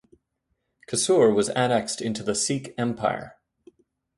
Kasur was annexed into the Sikh Empire.